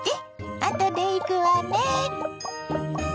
あとで行くわね。